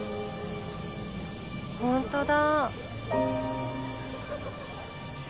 本当だ。